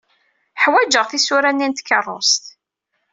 Ḥwajeɣ tisura-nni n tkeṛṛust.